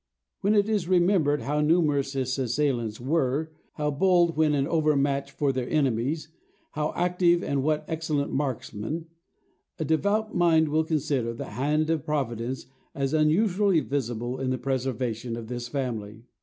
When it is remembered how numerous his assailants were, how bold when an overmatch for their enemies, how active, and what excellent marksmen, a devout mind will consider the hand of Providence as unusually visible in the preservation of this family.